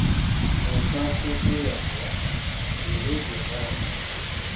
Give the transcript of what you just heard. Enswaswa eteeyanula, y'ereega engalabi.